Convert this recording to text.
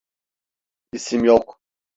İsim yok.